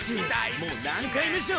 もう何回目ショ！？